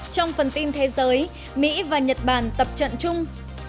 trong phần tin thế giới mỹ và nhật bản tập trận chung